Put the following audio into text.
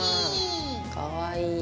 かわいい。